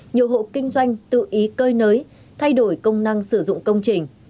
nhiều hộ kinh doanh tự ý cơi nới thay đổi công năng sử dụng công trình